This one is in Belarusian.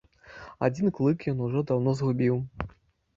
Адзін клык ён ужо даўно згубіў.